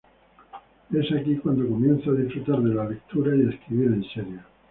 Es aquí cuando comienza a disfrutar de la lectura y a escribir en serio.